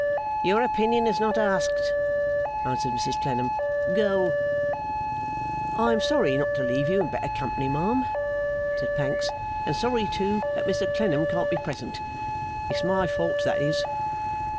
'Your opinion is not asked,' answered Mrs Clennam. 'Go.' 'I am sorry not to leave you in better company, ma'am,' said Pancks; 'and sorry, too, that Mr Clennam can't be present. It's my fault, that is.